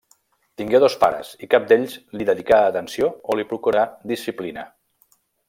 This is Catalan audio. Tingué dos pares i cap d'ells li dedicà atenció o li procurà disciplina.